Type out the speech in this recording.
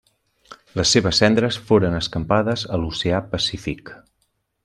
Les seves cendres foren escampades a l'Oceà Pacífic.